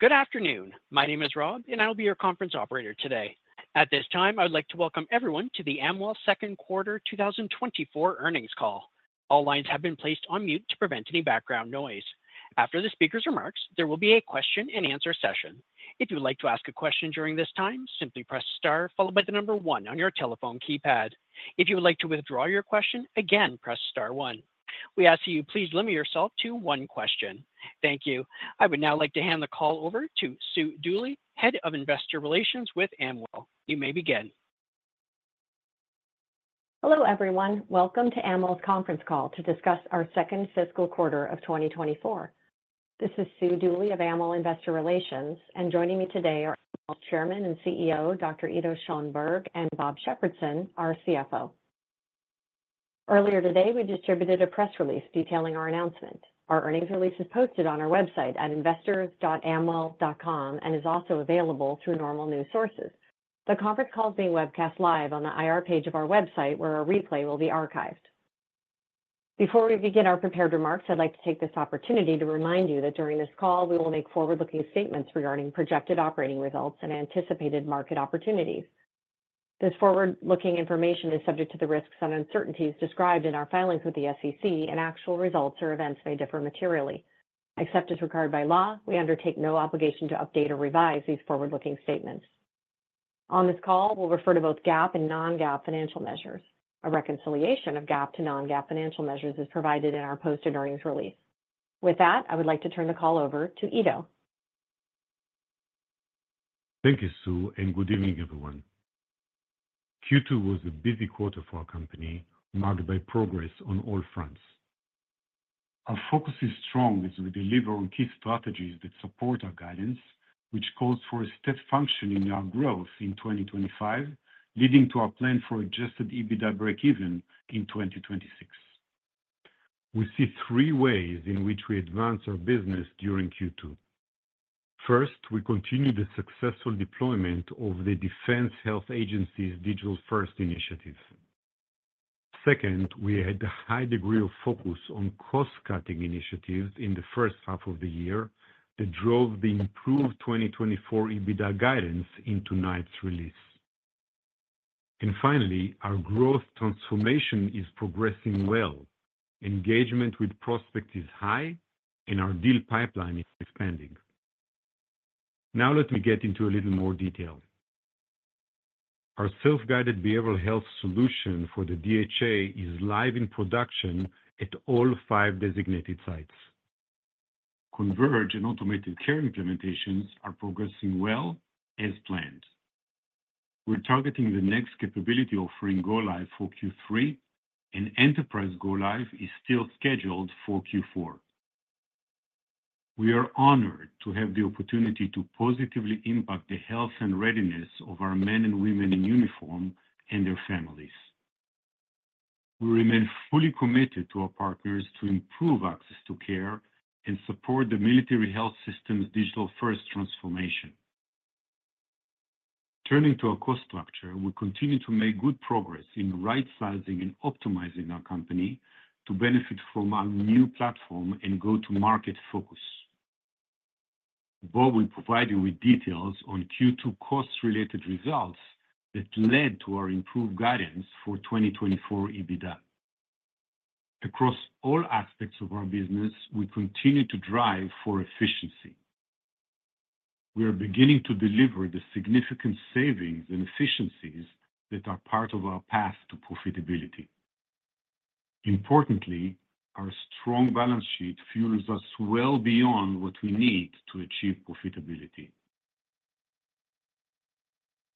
Good afternoon. My name is Rob, and I'll be your conference operator today. At this time, I would like to welcome everyone to the Amwell Second Quarter 2024 earnings call. All lines have been placed on mute to prevent any background noise. After the speaker's remarks, there will be a question-and-answer session. If you would like to ask a question during this time, simply press star, followed by the number one on your telephone keypad. If you would like to withdraw your question, again, press star one. We ask that you please limit yourself to one question. Thank you. I would now like to hand the call over to Sue Dooley, Head of Investor Relations with Amwell. You may begin. Hello, everyone. Welcome to Amwell's conference call to discuss our second fiscal quarter of 2024. This is Sue Dooley of Amwell Investor Relations, and joining me today are Amwell Chairman and CEO, Dr. Ido Schoenberg, and Bob Shepardson, our CFO. Earlier today, we distributed a press release detailing our announcement. Our earnings release is posted on our website at investors.amwell.com and is also available through normal news sources. The conference call is being webcast live on the IR page of our website, where a replay will be archived. Before we begin our prepared remarks, I'd like to take this opportunity to remind you that during this call, we will make forward-looking statements regarding projected operating results and anticipated market opportunities. This forward-looking information is subject to the risks and uncertainties described in our filings with the SEC, and actual results or events may differ materially. Except as required by law, we undertake no obligation to update or revise these forward-looking statements. On this call, we'll refer to both GAAP and non-GAAP financial measures. A reconciliation of GAAP to non-GAAP financial measures is provided in our posted earnings release. With that, I would like to turn the call over to Ido. Thank you, Sue, and good evening, everyone. Q2 was a busy quarter for our company, marked by progress on all fronts. Our focus is strong as we deliver on key strategies that support our guidance, which calls for a steady inflection in our growth in 2025, leading to our plan for Adjusted EBITDA break-even in 2026. We see three ways in which we advance our business during Q2. First, we continue the successful deployment of the Defense Health Agency's Digital First initiative. Second, we had a high degree of focus on cost-cutting initiatives in the first half of the year that drove the improved 2024 EBITDA guidance into tonight's release. And finally, our growth transformation is progressing well. Engagement with prospects is high, and our deal pipeline is expanding. Now, let me get into a little more detail. Our self-guided behavioral health solution for the DHA is live in production at all five designated sites. Converge and Automated Care implementations are progressing well as planned. We're targeting the next capability offering Go-Live for Q3, and enterprise Go-Live is still scheduled for Q4. We are honored to have the opportunity to positively impact the health and readiness of our men and women in uniform and their families. We remain fully committed to our partners to improve access to care and support the Military Health System's Digital First transformation. Turning to our cost structure, we continue to make good progress in right-sizing and optimizing our company to benefit from our new platform and go-to-market focus. Bob, we provide you with details on Q2 cost-related results that led to our improved guidance for 2024 EBITDA. Across all aspects of our business, we continue to drive for efficiency. We are beginning to deliver the significant savings and efficiencies that are part of our path to profitability. Importantly, our strong balance sheet fuels us well beyond what we need to achieve profitability.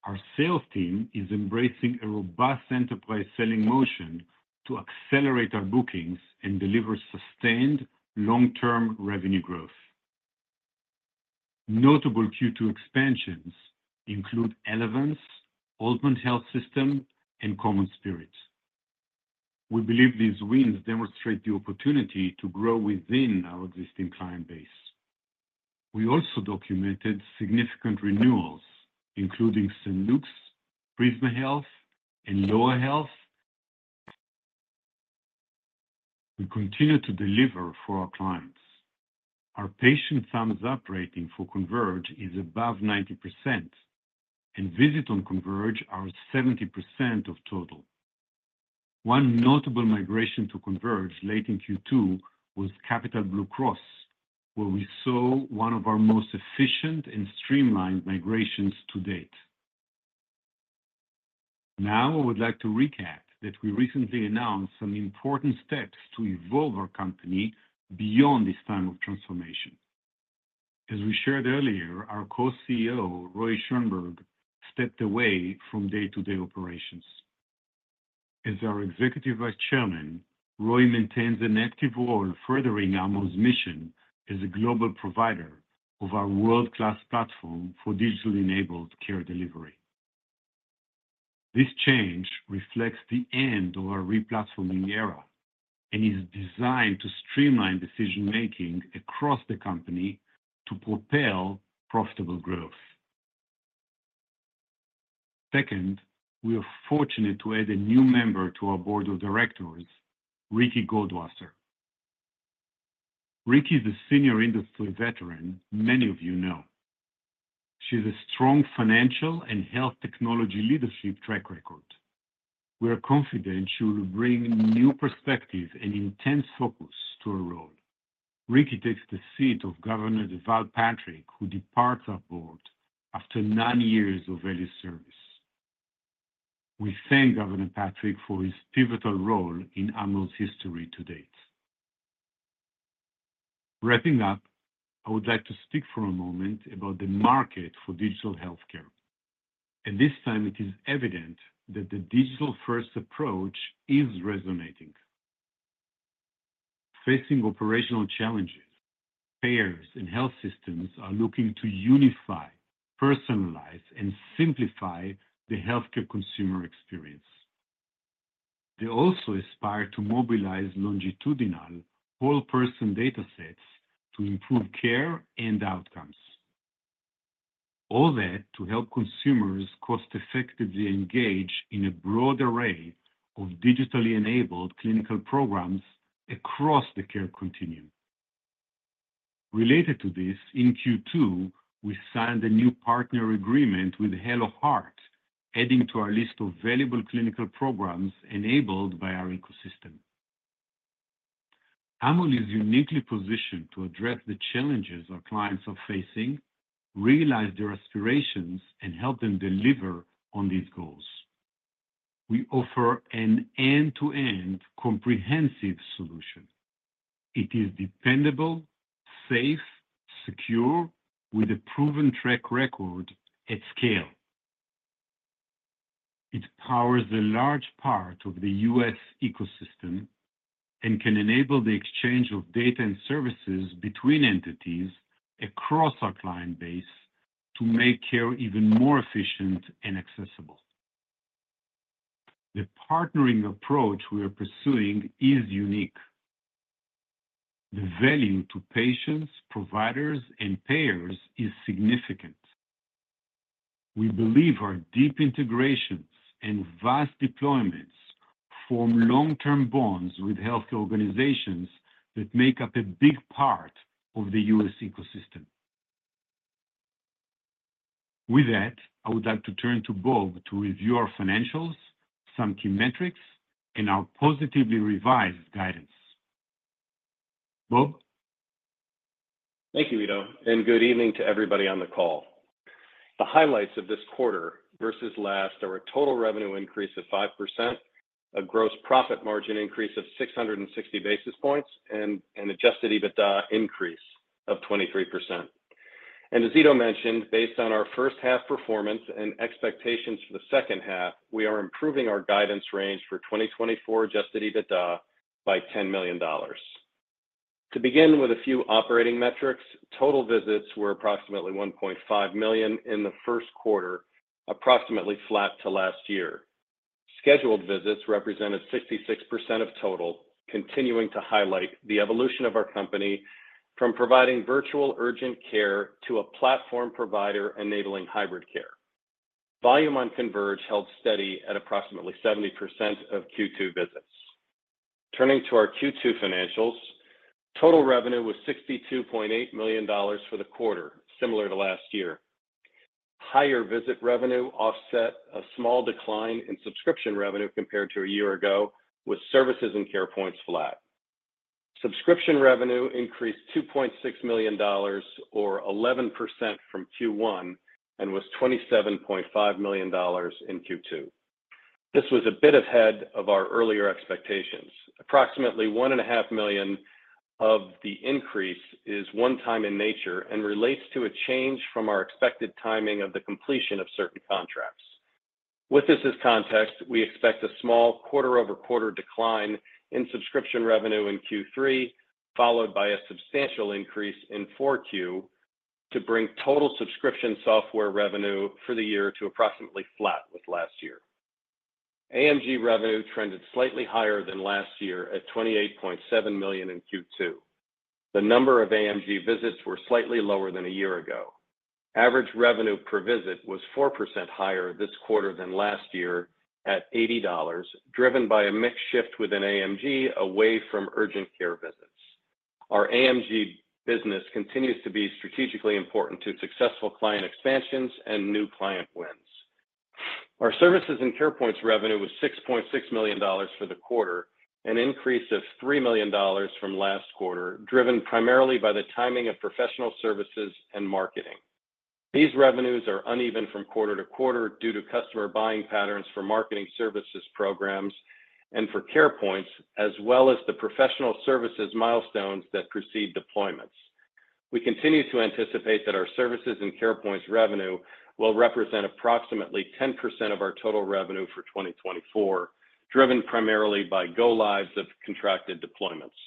Our sales team is embracing a robust enterprise selling motion to accelerate our bookings and deliver sustained long-term revenue growth. Notable Q2 expansions include Elevance, Aultman Health System, and CommonSpirit. We believe these wins demonstrate the opportunity to grow within our existing client base. We also documented significant renewals, including St. Luke's, Prisma Health, and UofL Health. We continue to deliver for our clients. Our patient thumbs-up rating for Converge is above 90%, and visits on Converge are 70% of total. One notable migration to Converge late in Q2 was Capital Blue Cross, where we saw one of our most efficient and streamlined migrations to date. Now, I would like to recap that we recently announced some important steps to evolve our company beyond this time of transformation. As we shared earlier, our co-CEO, Roy Schoenberg, stepped away from day-to-day operations. As our Executive Vice Chairman, Roy maintains an active role furthering Amwell's mission as a global provider of our world-class platform for digitally-enabled care delivery. This change reflects the end of our replatforming era and is designed to streamline decision-making across the company to propel profitable growth. Second, we are fortunate to add a new member to our board of directors, Ricky Goldwasser. Ricky is a senior industry veteran many of you know. She has a strong financial and health technology leadership track record. We are confident she will bring new perspective and intense focus to her role. Ricky takes the seat of Governor Deval Patrick, who departs our board after nine years of early service. We thank Governor Patrick for his pivotal role in Amwell's history to date. Wrapping up, I would like to speak for a moment about the market for digital healthcare. At this time, it is evident that the Digital First approach is resonating. Facing operational challenges, payers and health systems are looking to unify, personalize, and simplify the healthcare consumer experience. They also aspire to mobilize longitudinal whole-person data sets to improve care and outcomes. All that to help consumers cost-effectively engage in a broad array of digitally-enabled clinical programs across the care continuum. Related to this, in Q2, we signed a new partner agreement with Hello Heart, adding to our list of valuable clinical programs enabled by our ecosystem. Amwell is uniquely positioned to address the challenges our clients are facing, realize their aspirations, and help them deliver on these goals. We offer an end-to-end comprehensive solution. It is dependable, safe, secure, with a proven track record at scale. It powers a large part of the U.S. ecosystem and can enable the exchange of data and services between entities across our client base to make care even more efficient and accessible. The partnering approach we are pursuing is unique. The value to patients, providers, and payers is significant. We believe our deep integrations and vast deployments form long-term bonds with healthcare organizations that make up a big part of the U.S. ecosystem. With that, I would like to turn to Bob to review our financials, some key metrics, and our positively revised guidance. Bob? Thank you, Ido. Good evening to everybody on the call. The highlights of this quarter versus last are a total revenue increase of 5%, a gross profit margin increase of 660 basis points, and an Adjusted EBITDA increase of 23%. As Ido mentioned, based on our first-half performance and expectations for the second half, we are improving our guidance range for 2024 Adjusted EBITDA by $10 million. To begin with a few operating metrics, total visits were approximately 1.5 million in the first quarter, approximately flat to last year. Scheduled visits represented 66% of total, continuing to highlight the evolution of our company from providing virtual urgent care to a platform provider enabling hybrid care. Volume on Converge held steady at approximately 70% of Q2 visits. Turning to our Q2 financials, total revenue was $62.8 million for the quarter, similar to last year. Higher visit revenue offset a small decline in subscription revenue compared to a year ago, with services and Carepoints flat. Subscription revenue increased $2.6 million, or 11% from Q1, and was $27.5 million in Q2. This was a bit ahead of our earlier expectations. Approximately $1.5 million of the increase is one-time in nature and relates to a change from our expected timing of the completion of certain contracts. With this as context, we expect a small quarter-over-quarter decline in subscription revenue in Q3, followed by a substantial increase in 4Q to bring total subscription software revenue for the year to approximately flat with last year. AMG revenue trended slightly higher than last year at $28.7 million in Q2. The number of AMG visits was slightly lower than a year ago. Average revenue per visit was 4% higher this quarter than last year at $80, driven by a mixed shift within AMG away from urgent care visits. Our AMG business continues to be strategically important to successful client expansions and new client wins. Our services and Carepoints revenue was $6.6 million for the quarter, an increase of $3 million from last quarter, driven primarily by the timing of professional services and marketing. These revenues are uneven from quarter to quarter due to customer buying patterns for marketing services programs and for Carepoints, as well as the professional services milestones that precede deployments. We continue to anticipate that our services and Carepoint's revenue will represent approximately 10% of our total revenue for 2024, driven primarily by go-lives of contracted deployments.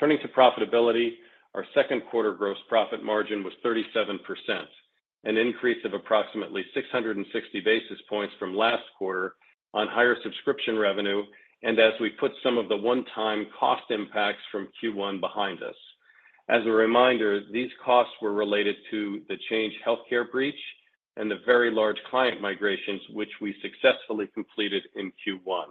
Turning to profitability, our second quarter gross profit margin was 37%, an increase of approximately 660 basis points from last quarter on higher subscription revenue, and as we put some of the one-time cost impacts from Q1 behind us. As a reminder, these costs were related to the Change Healthcare breach and the very large client migrations, which we successfully completed in Q1.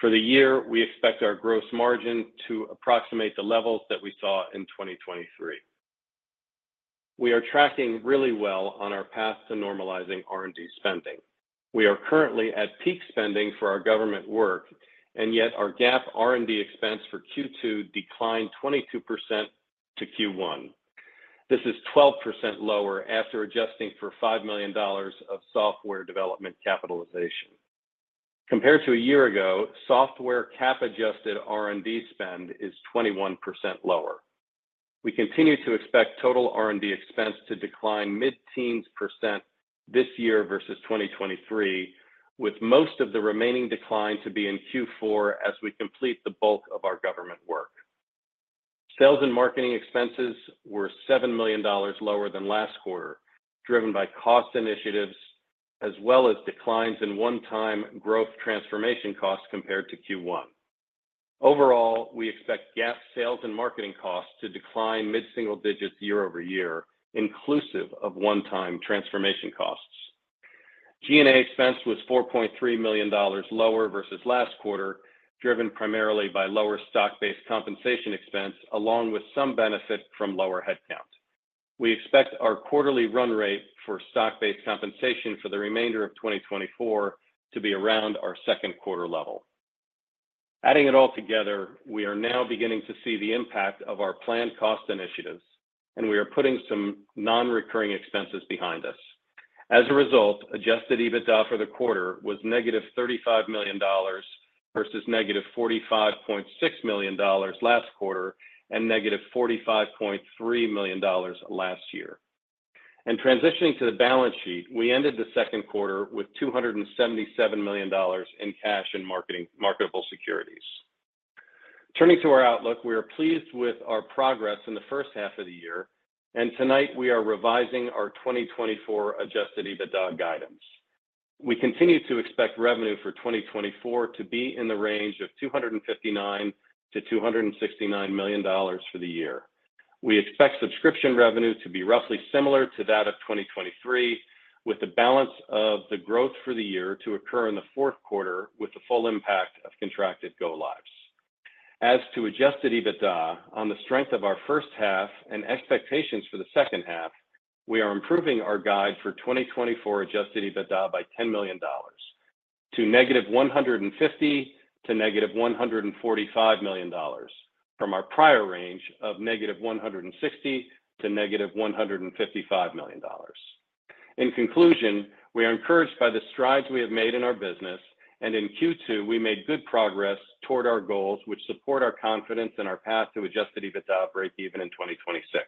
For the year, we expect our gross margin to approximate the levels that we saw in 2023. We are tracking really well on our path to normalizing R&D spending. We are currently at peak spending for our government work, and yet our GAAP R&D expense for Q2 declined 22% to Q1. This is 12% lower after adjusting for $5 million of software development capitalization. Compared to a year ago, software cap-adjusted R&D spend is 21% lower. We continue to expect total R&D expense to decline mid-teens% this year versus 2023, with most of the remaining decline to be in Q4 as we complete the bulk of our government work. Sales and marketing expenses were $7 million lower than last quarter, driven by cost initiatives as well as declines in one-time growth transformation costs compared to Q1. Overall, we expect GAAP sales and marketing costs to decline mid-single digits% year over year, inclusive of one-time transformation costs. G&A expense was $4.3 million lower versus last quarter, driven primarily by lower stock-based compensation expense, along with some benefit from lower headcount. We expect our quarterly run rate for stock-based compensation for the remainder of 2024 to be around our second quarter level. Adding it all together, we are now beginning to see the impact of our planned cost initiatives, and we are putting some non-recurring expenses behind us. As a result, Adjusted EBITDA for the quarter was -$35 million versus -$45.6 million last quarter and -$45.3 million last year. Transitioning to the balance sheet, we ended the second quarter with $277 million in cash and marketable securities. Turning to our outlook, we are pleased with our progress in the first half of the year, and tonight we are revising our 2024 Adjusted EBITDA guidance. We continue to expect revenue for 2024 to be in the range of $259 million-$269 million for the year. We expect subscription revenue to be roughly similar to that of 2023, with the balance of the growth for the year to occur in the fourth quarter, with the full impact of contracted go-lives. As to Adjusted EBITDA, on the strength of our first half and expectations for the second half, we are improving our guide for 2024 Adjusted EBITDA by $10 million to -$150 million to -$145 million from our prior range of -$160 million to -$155 million. In conclusion, we are encouraged by the strides we have made in our business, and in Q2, we made good progress toward our goals, which support our confidence in our path to Adjusted EBITDA break-even in 2026.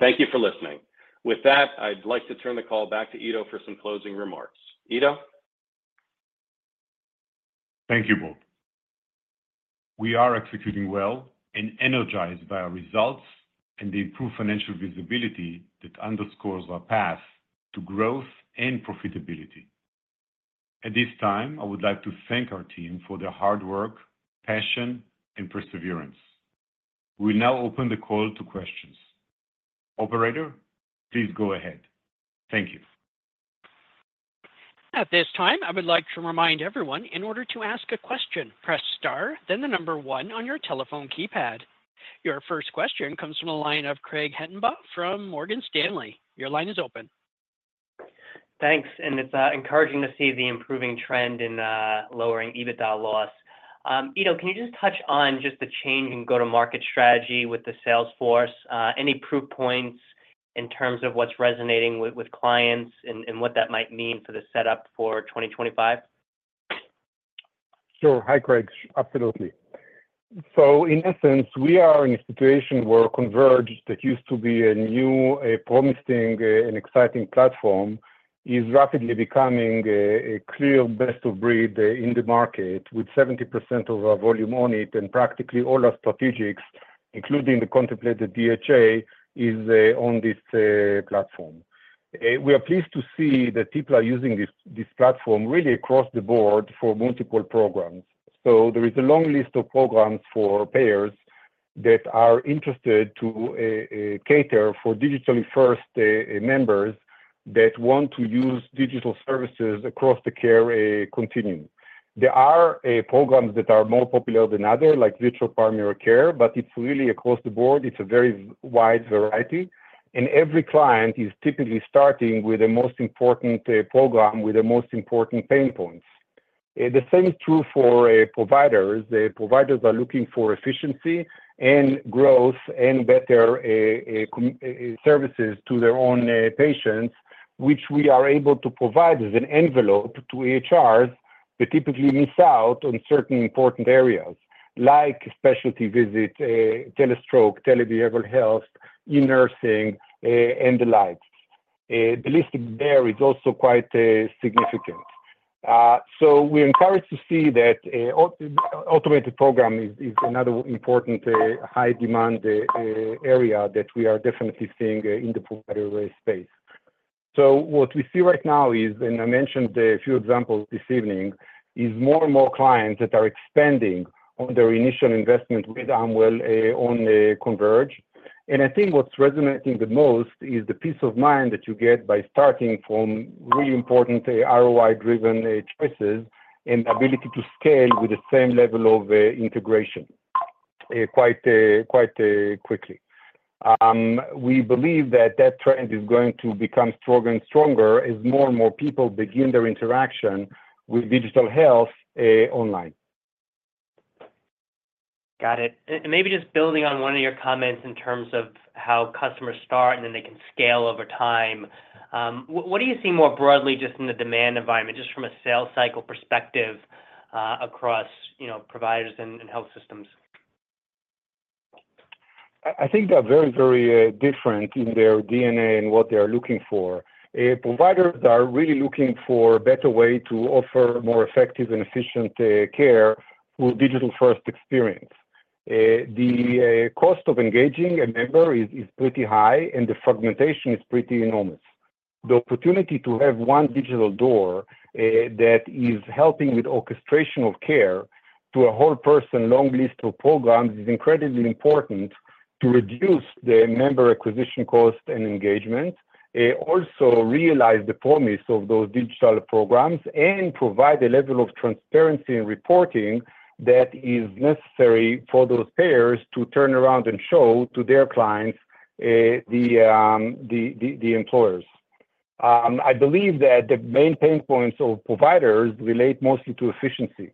Thank you for listening. With that, I'd like to turn the call back to Ido for some closing remarks. Ido? Thank you, Bob. We are executing well and energized by our results and the improved financial visibility that underscores our path to growth and profitability. At this time, I would like to thank our team for their hard work, passion, and perseverance. We now open the call to questions. Operator, please go ahead. Thank you. At this time, I would like to remind everyone, in order to ask a question, press star, then the number one on your telephone keypad. Your first question comes from the line of Craig Hettenbach from Morgan Stanley. Your line is open. Thanks. It's encouraging to see the improving trend in lowering EBITDA loss. Ido, can you just touch on just the change in go-to-market strategy with the sales force? Any proof points in terms of what's resonating with clients and what that might mean for the setup for 2025? Sure. Hi, Craig. Absolutely. So, in essence, we are in a situation where Converge, that used to be a new, promising, and exciting platform, is rapidly becoming a clear best-of-breed in the market, with 70% of our volume on it, and practically all our strategics, including the contemplated DHA, are on this platform. We are pleased to see that people are using this platform really across the board for multiple programs. So, there is a long list of programs for payers that are interested to cater for Digital First members that want to use digital services across the care continuum. There are programs that are more popular than others, like virtual primary care, but it's really across the board. It's a very wide variety. And every client is typically starting with the most important program, with the most important pain points. The same is true for providers. Providers are looking for efficiency and growth and better services to their own patients, which we are able to provide as an envelope to EHRs that typically miss out on certain important areas, like specialty visits, Telestroke, tele-behavioral health, e-nursing, and the like. The list there is also quite significant. So, we are encouraged to see that Automated program is another important high-demand area that we are definitely seeing in the provider space. So, what we see right now is, and I mentioned a few examples this evening, is more and more clients that are expanding on their initial investment with Amwell on Converge. And I think what's resonating the most is the peace of mind that you get by starting from really important ROI-driven choices and the ability to scale with the same level of integration quite quickly. We believe that that trend is going to become stronger and stronger as more and more people begin their interaction with digital health online. Got it. And maybe just building on one of your comments in terms of how customers start and then they can scale over time, what do you see more broadly just in the demand environment, just from a sales cycle perspective across providers and health systems? I think they're very, very different in their DNA and what they are looking for. Providers are really looking for a better way to offer more effective and efficient care through a Digital First experience. The cost of engaging a member is pretty high, and the fragmentation is pretty enormous. The opportunity to have one digital door that is helping with orchestration of care to a whole person, long list of programs, is incredibly important to reduce the member acquisition cost and engagement, also realize the promise of those digital programs, and provide a level of transparency and reporting that is necessary for those payers to turn around and show to their clients, the employers. I believe that the main pain points of providers relate mostly to efficiency.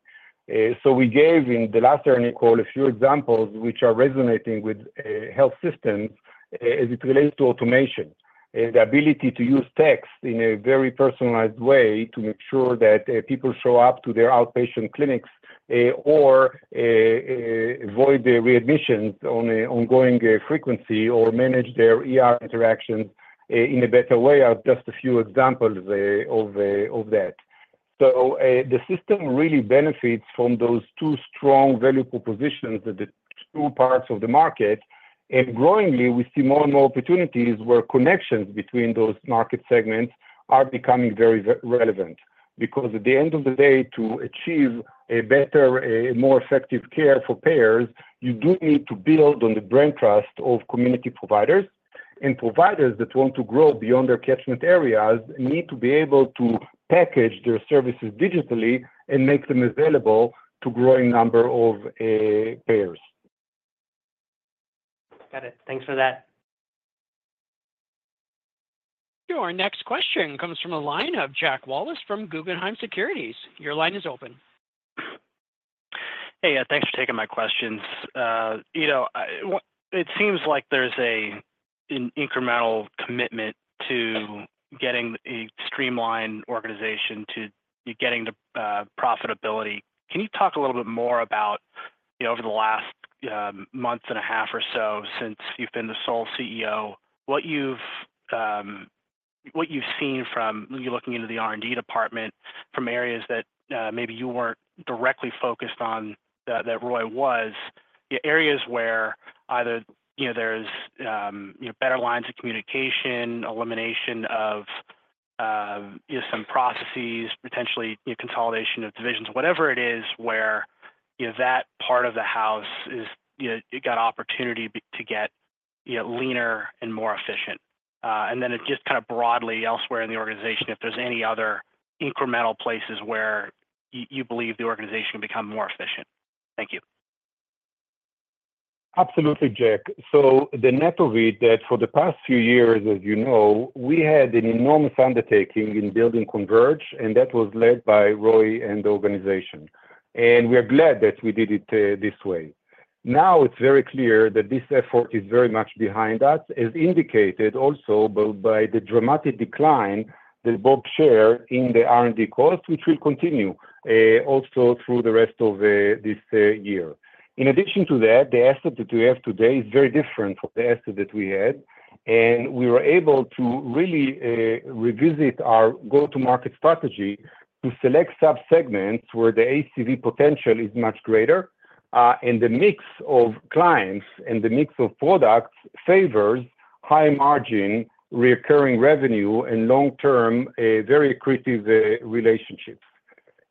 So, we gave in the last earnings call a few examples which are resonating with health systems as it relates to automation and the ability to use text in a very personalized way to make sure that people show up to their outpatient clinics or avoid the readmissions on an ongoing frequency or manage their interactions in a better way are just a few examples of that. So, the system really benefits from those two strong value propositions at the two parts of the market. And growingly, we see more and more opportunities where connections between those market segments are becoming very relevant because at the end of the day, to achieve a better, more effective care for payers, you do need to build on the brand trust of community providers. Providers that want to grow beyond their catchment areas need to be able to package their services digitally and make them available to a growing number of payers. Got it. Thanks for that. Your next question comes from a line of Jack Wallace from Guggenheim Securities. Your line is open. Hey, thanks for taking my questions. It seems like there's an incremental commitment to getting a streamlined organization to getting to profitability. Can you talk a little bit more about, over the last month and a half or so since you've been the sole CEO, what you've seen from your looking into the R&D department from areas that maybe you weren't directly focused on that Roy was, areas where either there's better lines of communication, elimination of some processes, potentially consolidation of divisions, whatever it is where that part of the house got opportunity to get leaner and more efficient. And then just kind of broadly elsewhere in the organization, if there's any other incremental places where you believe the organization can become more efficient. Thank you. Absolutely, Jack. So, the net of it is that for the past few years, as you know, we had an enormous undertaking in building Converge, and that was led by Roy and the organization. And we are glad that we did it this way. Now it's very clear that this effort is very much behind us, as indicated also by the dramatic decline that Bob shared in the R&D cost, which will continue also through the rest of this year. In addition to that, the asset that we have today is very different from the asset that we had. And we were able to really revisit our go-to-market strategy to select subsegments where the ACV potential is much greater. And the mix of clients and the mix of products favors high margin, recurring revenue, and long-term, very creative relationships.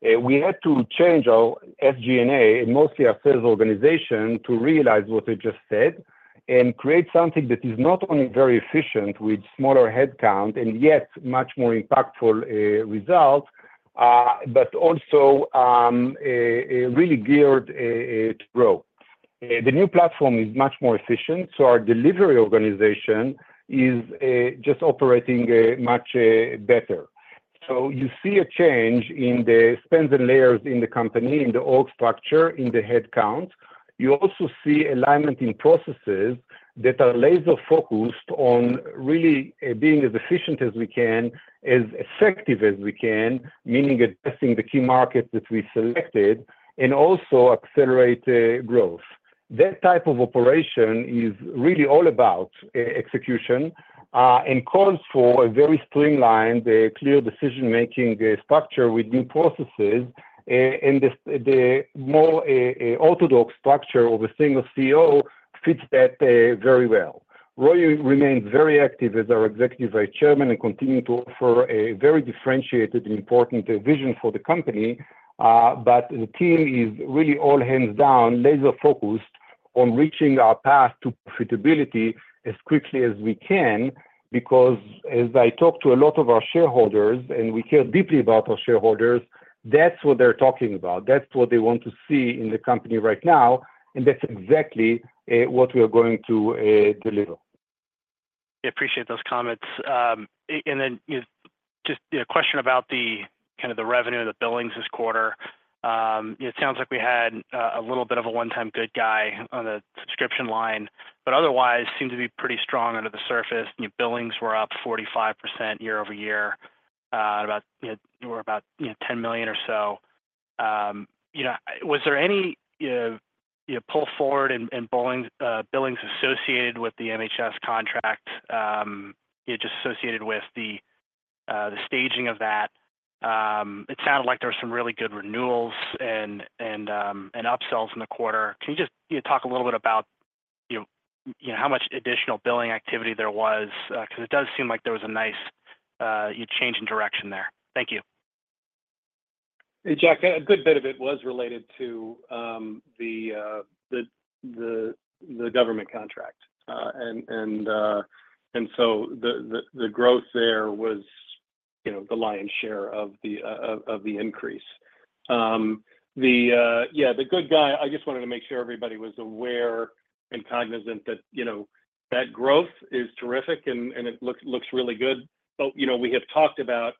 We had to change our SG&A and mostly our sales organization to realize what I just said and create something that is not only very efficient with smaller headcount and yet much more impactful results, but also really geared to grow. The new platform is much more efficient, so our delivery organization is just operating much better. So, you see a change in the spans and layers in the company, in the org structure, in the headcount. You also see alignment in processes that are laser-focused on really being as efficient as we can, as effective as we can, meaning addressing the key markets that we selected and also accelerate growth. That type of operation is really all about execution and calls for a very streamlined, clear decision-making structure with new processes. And the more orthodox structure of a single CEO fits that very well. Roy remains very active as our Executive Vice Chairman and continues to offer a very differentiated and important vision for the company. But the team is really all hands down laser-focused on reaching our path to profitability as quickly as we can because, as I talked to a lot of our shareholders, and we care deeply about our shareholders, that's what they're talking about. That's what they want to see in the company right now. And that's exactly what we are going to deliver. I appreciate those comments. Then just a question about the kind of the revenue and the billings this quarter. It sounds like we had a little bit of a one-time good guy on the subscription line, but otherwise seemed to be pretty strong under the surface. Billings were up 45% year-over-year, about $10 million or so. Was there any pull forward in billings associated with the MHS contract, just associated with the staging of that? It sounded like there were some really good renewals and upsells in the quarter. Can you just talk a little bit about how much additional billing activity there was? Because it does seem like there was a nice change in direction there. Thank you. Hey, Jack. A good bit of it was related to the government contract. So the growth there was the lion's share of the increase. Yeah, the good guy, I just wanted to make sure everybody was aware and cognizant that that growth is terrific and it looks really good. We have talked about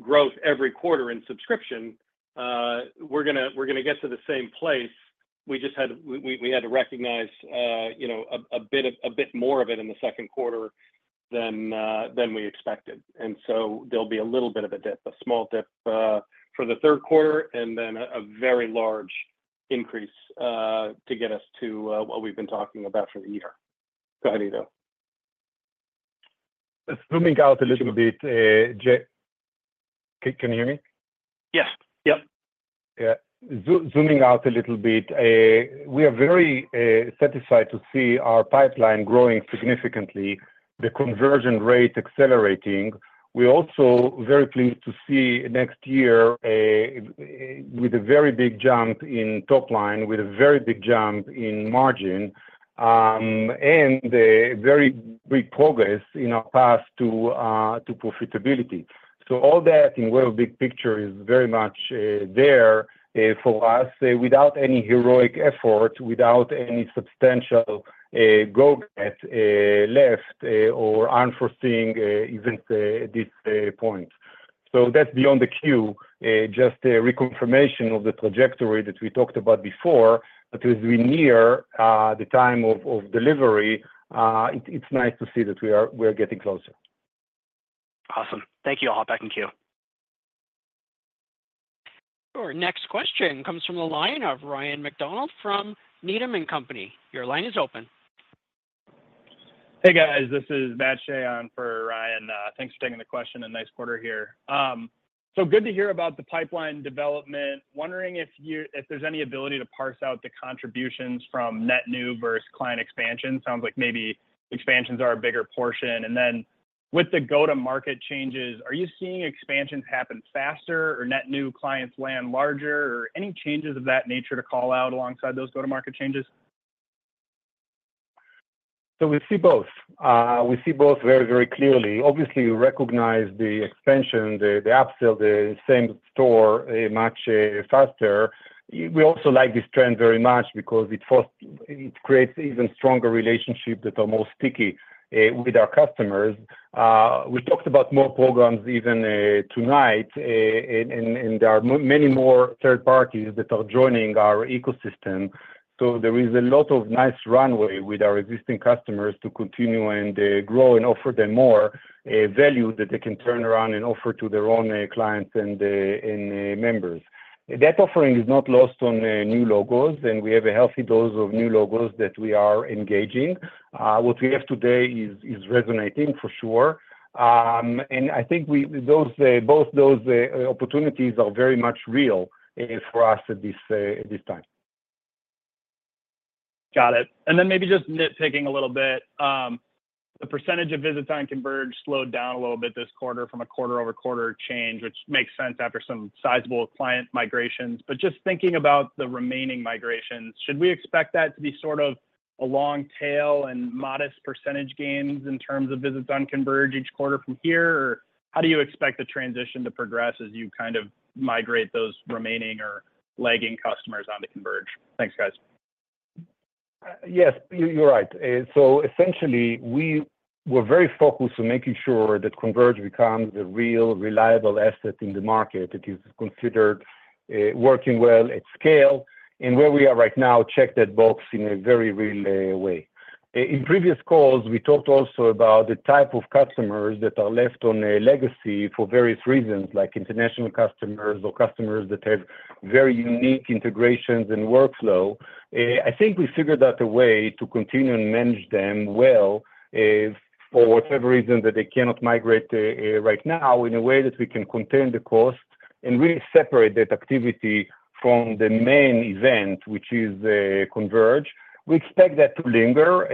growth every quarter in subscription. We're going to get to the same place. We had to recognize a bit more of it in the second quarter than we expected. So there'll be a little bit of a dip, a small dip for the third quarter, and then a very large increase to get us to what we've been talking about for the year. Go ahead, Ido. Zooming out a little bit, Jack. Can you hear me? Yes. Yep. Yeah. Zooming out a little bit. We are very satisfied to see our pipeline growing significantly, the conversion rate accelerating. We're also very pleased to see next year with a very big jump in top line, with a very big jump in margin, and very big progress in our path to profitability. So all that, in a way of big picture, is very much there for us without any heroic effort, without any substantial go-get left or unforeseen events at this point. So that's beyond the Q, just a reconfirmation of the trajectory that we talked about before. But as we near the time of delivery, it's nice to see that we are getting closer. Awesome. Thank you. I'll hop back in queue. Our next question comes from the line of Ryan MacDonald from Needham & Company. Your line is open. Hey, guys. This is Matt Shea on for Ryan. Thanks for taking the question. A nice quarter here. So good to hear about the pipeline development. Wondering if there's any ability to parse out the contributions from net new versus client expansion. Sounds like maybe expansions are a bigger portion. And then with the go-to-market changes, are you seeing expansions happen faster or net new clients land larger, or any changes of that nature to call out alongside those go-to-market changes? So we see both. We see both very, very clearly. Obviously, we recognize the expansion, the upsell, the same store much faster. We also like this trend very much because it creates an even stronger relationship that's almost sticky with our customers. We talked about more programs even tonight, and there are many more third parties that are joining our ecosystem. So there is a lot of nice runway with our existing customers to continue and grow and offer them more value that they can turn around and offer to their own clients and members. That offering is not lost on new logos, and we have a healthy dose of new logos that we are engaging. What we have today is resonating, for sure. And I think both those opportunities are very much real for us at this time. Got it. And then maybe just nitpicking a little bit, the percentage of visits on Converge slowed down a little bit this quarter from a quarter-over-quarter change, which makes sense after some sizable client migrations. But just thinking about the remaining migrations, should we expect that to be sort of a long tail and modest percentage gains in terms of visits on Converge each quarter from here? Or how do you expect the transition to progress as you kind of migrate those remaining or lagging customers onto Converge? Thanks, guys. Yes, you're right. So essentially, we were very focused on making sure that Converge becomes a real, reliable asset in the market that is considered working well at scale. And where we are right now, check that box in a very real way. In previous calls, we talked also about the type of customers that are left on legacy for various reasons, like international customers or customers that have very unique integrations and workflow. I think we figured out a way to continue and manage them well for whatever reason that they cannot migrate right now in a way that we can contain the cost and really separate that activity from the main event, which is Converge. We expect that to linger,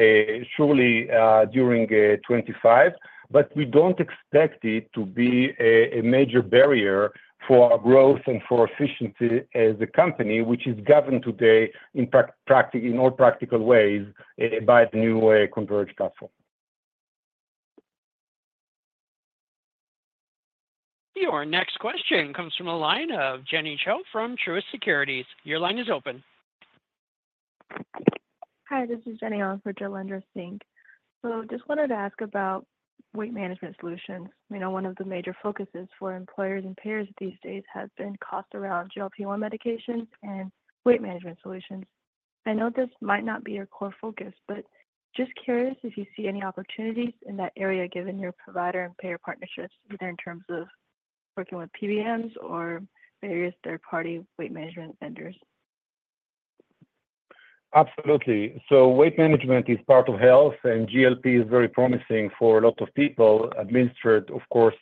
surely during 2025, but we don't expect it to be a major barrier for growth and for efficiency as a company, which is governed today in all practical ways by the new Converge platform. Your next question comes from the line of Jenny Cho from Truist Securities. Your line is open. Hi, this is Jenny on for Jailendra Singh. So I just wanted to ask about weight management solutions. One of the major focuses for employers and payers these days has been cost around GLP-1 medications and weight management solutions. I know this might not be your core focus, but just curious if you see any opportunities in that area given your provider and payer partnerships either in terms of working with PBMs or various third-party weight management vendors? Absolutely. So weight management is part of health, and GLP is very promising for a lot of people, administered, of course,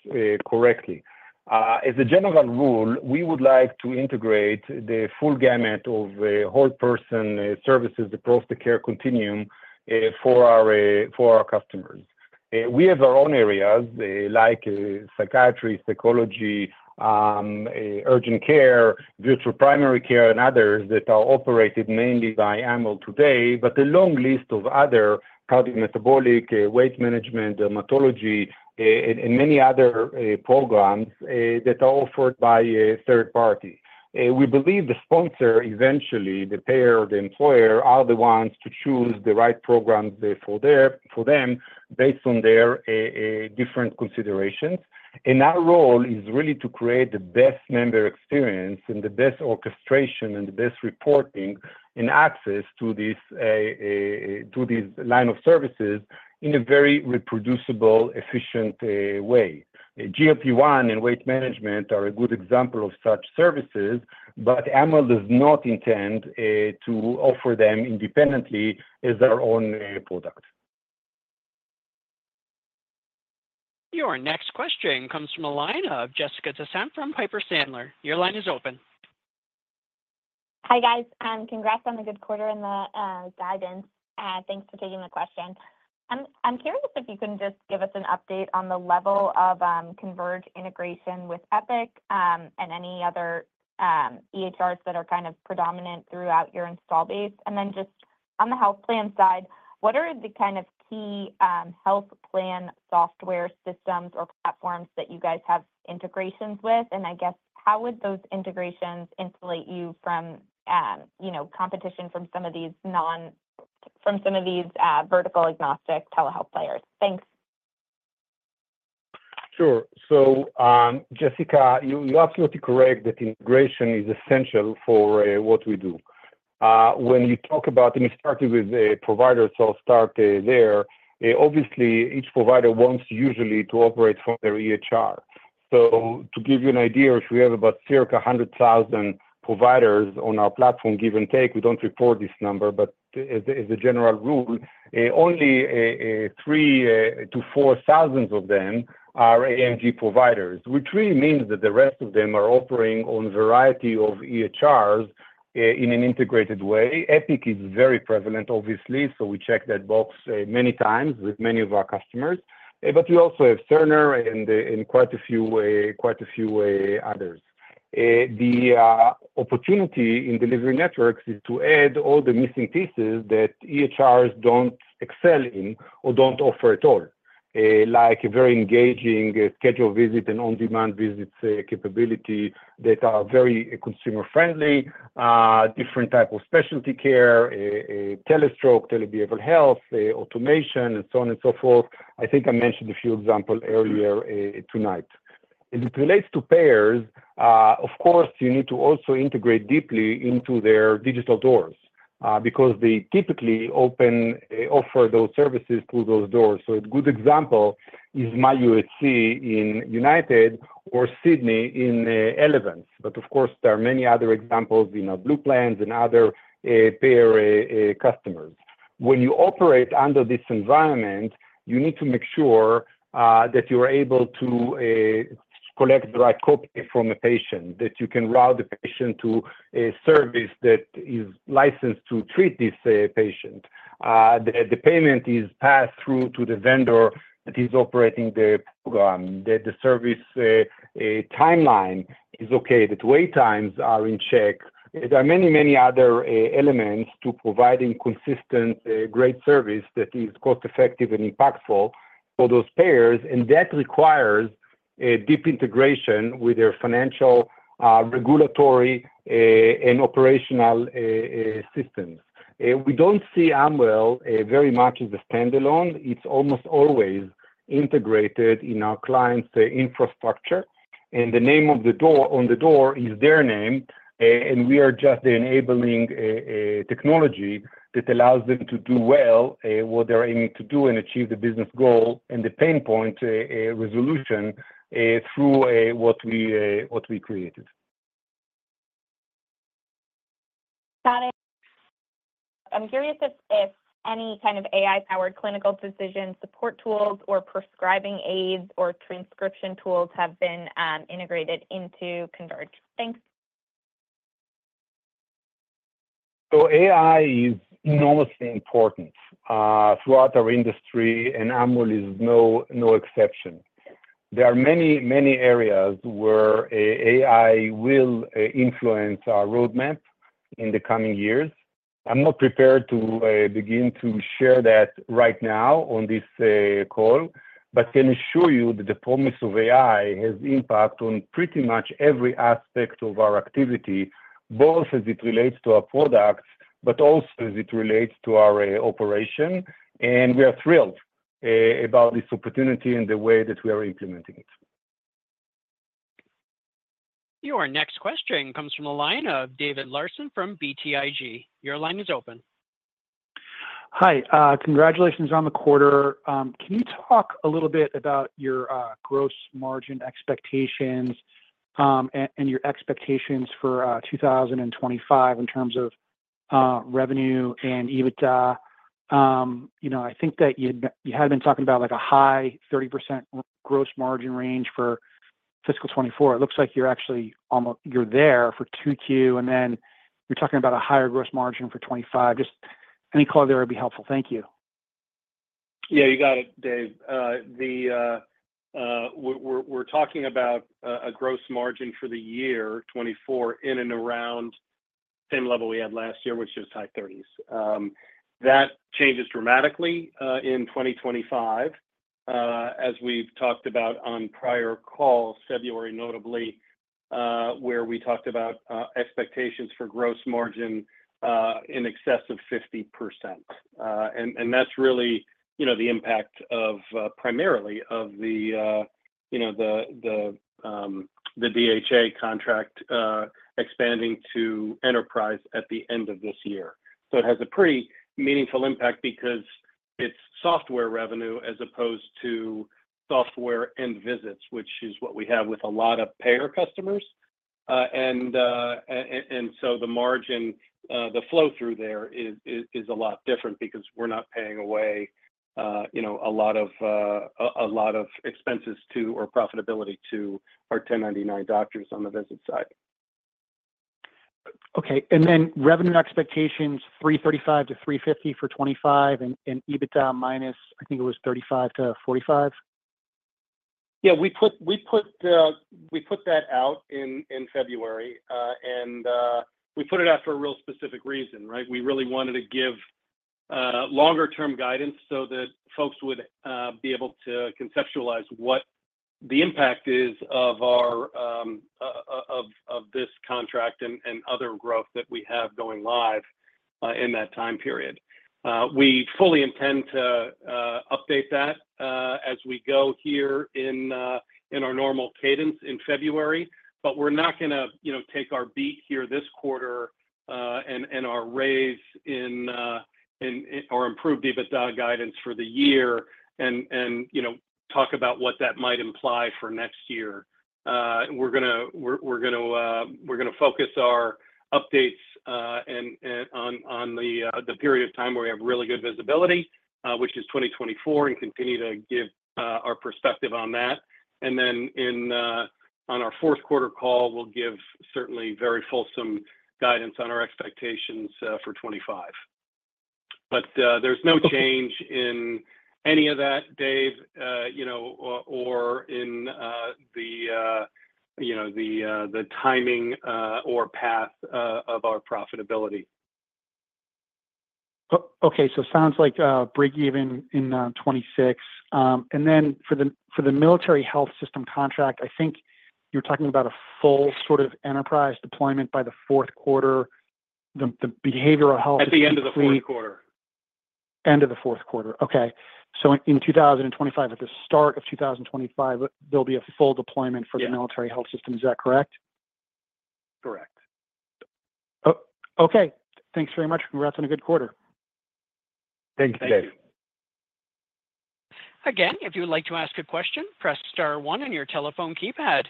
correctly. As a general rule, we would like to integrate the full gamut of whole-person services across the care continuum for our customers. We have our own areas like psychiatry, psychology, urgent care, virtual primary care, and others that are operated mainly by Amwell today, but a long list of other cardiometabolic, weight management, dermatology, and many other programs that are offered by third parties. We believe the sponsor, eventually, the payer or the employer are the ones to choose the right programs for them based on their different considerations. And our role is really to create the best member experience and the best orchestration and the best reporting and access to these line of services in a very reproducible, efficient way. GLP-1 and weight management are a good example of such services, but Amwell does not intend to offer them independently as their own product. Your next question comes from the line of Jessica Tassan from Piper Sandler. Your line is open. Hi, guys. Congrats on the good quarter and the guidance. Thanks for taking the question. I'm curious if you can just give us an update on the level of Converge integration with Epic and any other EHRs that are kind of predominant throughout your installed base. And then just on the health plan side, what are the kind of key health plan software systems or platforms that you guys have integrations with? And I guess, how would those integrations insulate you from competition from some of these vertical-agnostic telehealth players? Thanks. Sure. So Jessica, you're absolutely correct that integration is essential for what we do. When you talk about, and we started with providers, I'll start there. Obviously, each provider wants usually to operate from their EHR. So to give you an idea, if we have about circa 100,000 providers on our platform, give and take, we don't report this number, but as a general rule, only 3,000-4,000 of them are AMG providers, which really means that the rest of them are operating on a variety of EHRs in an integrated way. Epic is very prevalent, obviously, so we check that box many times with many of our customers. But we also have Cerner and quite a few others. The opportunity in delivery networks is to add all the missing pieces that EHRs don't excel in or don't offer at all, like a very engaging schedule visit and on-demand visits capability that are very consumer-friendly, different type of specialty care, Telestroke, tele-behavioral health, automation, and so on and so forth. I think I mentioned a few examples earlier tonight. It relates to payers. Of course, you need to also integrate deeply into their digital doors because they typically offer those services through those doors. A good example is myUHC in United or Sydney Health in Elevance. But of course, there are many other examples in Blue plans and other payer customers. When you operate under this environment, you need to make sure that you're able to collect the right copy from a patient, that you can route the patient to a service that is licensed to treat this patient, that the payment is passed through to the vendor that is operating the program, that the service timeline is okay, that wait times are in check. There are many, many other elements to providing consistent, great service that is cost-effective and impactful for those payers. That requires deep integration with their financial regulatory and operational systems. We don't see Amwell very much as a standalone. It's almost always integrated in our client's infrastructure. The name on the door is their name, and we are just enabling technology that allows them to do well what they're aiming to do and achieve the business goal and the pain point resolution through what we created. Got it. I'm curious if any kind of AI-powered clinical decision support tools or prescribing aids or transcription tools have been integrated into Converge? Thanks. So AI is enormously important throughout our industry, and Amwell is no exception. There are many, many areas where AI will influence our roadmap in the coming years. I'm not prepared to begin to share that right now on this call, but can assure you that the promise of AI has impact on pretty much every aspect of our activity, both as it relates to our products, but also as it relates to our operation. And we are thrilled about this opportunity and the way that we are implementing it. Your next question comes from the line of David Larsen from BTIG. Your line is open. Hi. Congratulations on the quarter. Can you talk a little bit about your gross margin expectations and your expectations for 2025 in terms of revenue and EBITDA? I think that you had been talking about a high 30% gross margin range for fiscal 2024. It looks like you're actually almost there for Q2, and then you're talking about a higher gross margin for 2025. Just any color there would be helpful. Thank you. Yeah, you got it, Dave. We're talking about a gross margin for the year 2024 in and around the same level we had last year, which is high 30s%. That changes dramatically in 2025, as we've talked about on prior calls, February notably, where we talked about expectations for gross margin in excess of 50%. And that's really the impact primarily of the DHA contract expanding to enterprise at the end of this year. So it has a pretty meaningful impact because it's software revenue as opposed to software and visits, which is what we have with a lot of payer customers. And so the margin, the flow through there is a lot different because we're not paying away a lot of expenses to or profitability to our 1099 doctors on the visit side. Okay. And then revenue expectations, $335-$350 for 2025 and EBITDA minus, I think it was $35-$45? Yeah. We put that out in February, and we put it out for a real specific reason, right? We really wanted to give longer-term guidance so that folks would be able to conceptualize what the impact is of this contract and other growth that we have going live in that time period. We fully intend to update that as we go here in our normal cadence in February, but we're not going to take our beat here this quarter and our raise in or improve EBITDA guidance for the year and talk about what that might imply for next year. We're going to focus our updates on the period of time where we have really good visibility, which is 2024, and continue to give our perspective on that. And then on our fourth quarter call, we'll give certainly very fulsome guidance on our expectations for 2025. But there's no change in any of that, Dave, or in the timing or path of our profitability. Okay. It sounds like break-even in 2026. Then for the Military Health System contract, I think you're talking about a full sort of enterprise deployment by the fourth quarter, the behavioral health. At the end of the fourth quarter. End of the fourth quarter. Okay. So in 2025, at the start of 2025, there'll be a full deployment for the Military Health System. Is that correct? Correct. Okay. Thanks very much. Congrats on a good quarter. Thank you, Dave. Again, if you'd like to ask a question, press star one on your telephone keypad.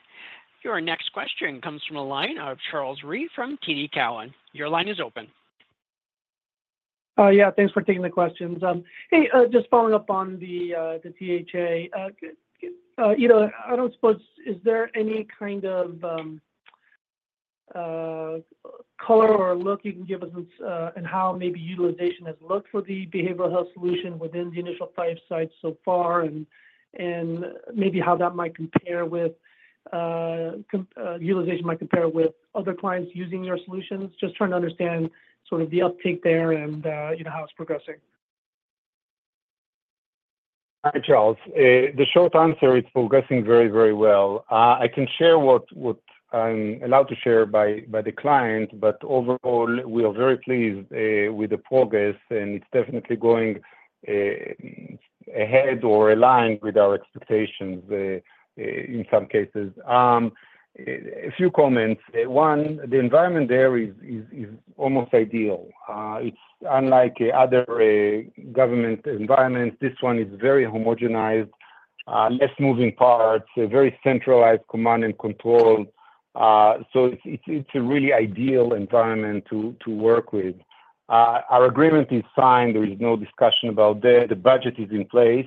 Your next question comes from the line of Charles Rhyee from TD Cowen. Your line is open. Yeah. Thanks for taking the questions. Hey, just following up on the DHA, I don't suppose is there any kind of color or look you can give us on how maybe utilization has looked for the behavioral health solution within the initial five sites so far and maybe how that might compare with utilization might compare with other clients using your solutions? Just trying to understand sort of the uptake there and how it's progressing. Hi, Charles. The short answer, it's progressing very, very well. I can share what I'm allowed to share by the client, but overall, we are very pleased with the progress, and it's definitely going ahead or aligned with our expectations in some cases. A few comments. One, the environment there is almost ideal. It's unlike other government environments. This one is very homogenized, less moving parts, very centralized command and control. So it's a really ideal environment to work with. Our agreement is signed. There is no discussion about that. The budget is in place,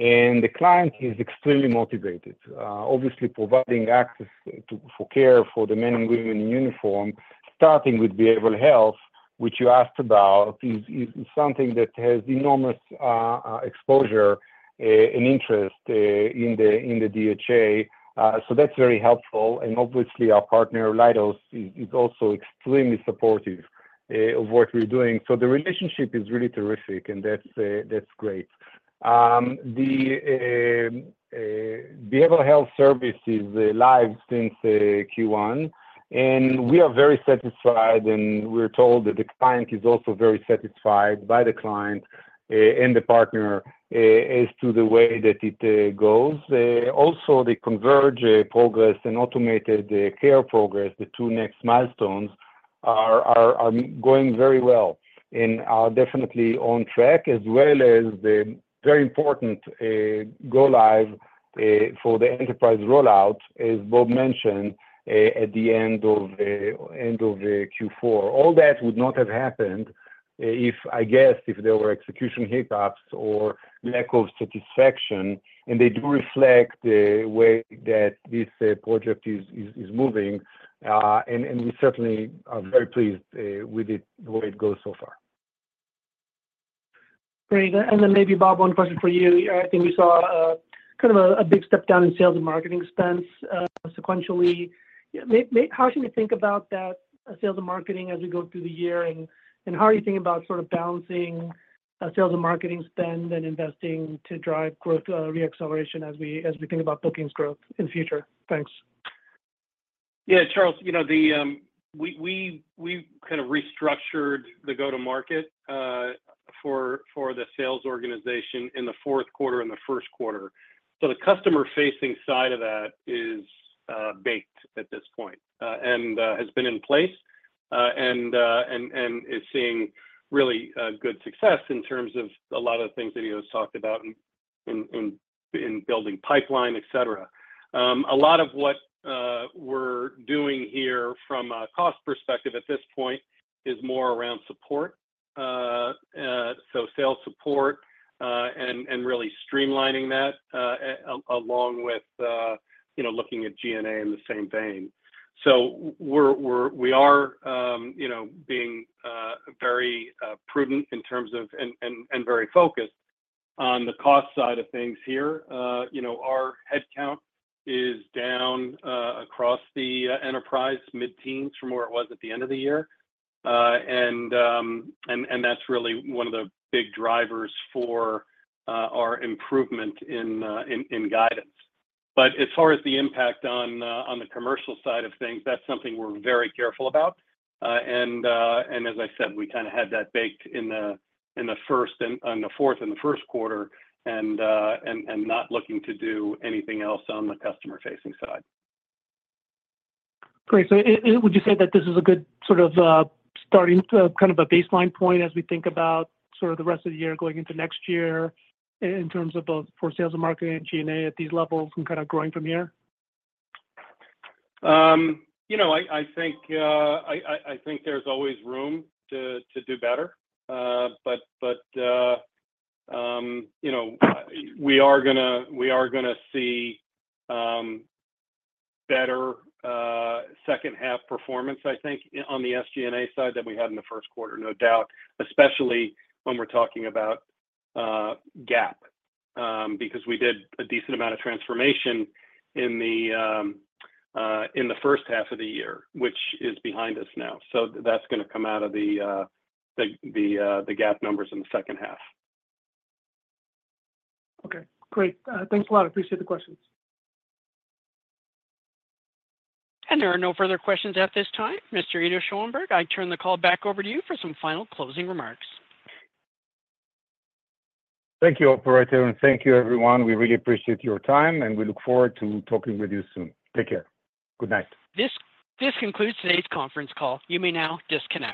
and the client is extremely motivated, obviously providing access for care for the men and women in uniform, starting with behavioral health, which you asked about, is something that has enormous exposure and interest in the DHA. So that's very helpful. And obviously, our partner, Leidos, is also extremely supportive of what we're doing. The relationship is really terrific, and that's great. The behavioral health service is live since Q1, and we are very satisfied, and we're told that the client is also very satisfied by the client and the partner as to the way that it goes. Also, the Converge progress and Automated Care progress, the two next milestones are going very well and are definitely on track, as well as the very important go-live for the enterprise rollout, as Bob mentioned, at the end of Q4. All that would not have happened if, I guess, there were execution hiccups or lack of satisfaction, and they do reflect the way that this project is moving. We certainly are very pleased with the way it goes so far. Great. And then maybe, Bob, one question for you. I think we saw kind of a big step down in sales and marketing spends sequentially. How should we think about that sales and marketing as we go through the year? And how are you thinking about sort of balancing sales and marketing spend and investing to drive growth reacceleration as we think about bookings growth in the future? Thanks. Yeah, Charles. We kind of restructured the go-to-market for the sales organization in the fourth quarter and the first quarter. So the customer-facing side of that is baked at this point and has been in place and is seeing really good success in terms of a lot of the things that he has talked about in building pipeline, etc. A lot of what we're doing here from a cost perspective at this point is more around support, so sales support and really streamlining that along with looking at G&A in the same vein. So we are being very prudent in terms of and very focused on the cost side of things here. Our headcount is down across the enterprise mid-teens from where it was at the end of the year. And that's really one of the big drivers for our improvement in guidance. But as far as the impact on the commercial side of things, that's something we're very careful about. And as I said, we kind of had that baked in the fourth and the first quarter and not looking to do anything else on the customer-facing side. Great. So would you say that this is a good sort of starting kind of a baseline point as we think about sort of the rest of the year going into next year in terms of both for sales and marketing and G&A at these levels and kind of growing from here? I think there's always room to do better, but we are going to see better second-half performance, I think, on the SG&A side than we had in the first quarter, no doubt, especially when we're talking about GAAP because we did a decent amount of transformation in the first half of the year, which is behind us now. So that's going to come out of the GAAP numbers in the second half. Okay. Great. Thanks a lot. Appreciate the questions. And there are no further questions at this time. Mr. Ido Schoenberg, I turn the call back over to you for some final closing remarks. Thank you, Operator. Thank you, everyone. We really appreciate your time, and we look forward to talking with you soon. Take care. Good night. This concludes today's conference call. You may now disconnect.